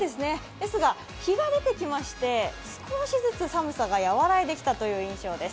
ですが日が出てきまして、少しずつ寒さが和らいできた印象です。